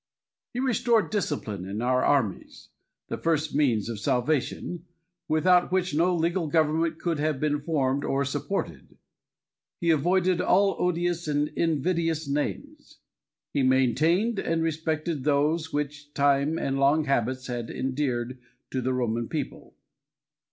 He restored discipline in our armies, the first means of salvation, without which no legal government could have been formed or supported. He avoided all odious and invidious names. He maintained and respected those which time and long habits had endeared to the Roman people.